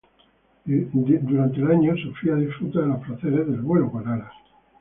Durante el sueño Sofía disfruta de los placeres del vuelo con alas.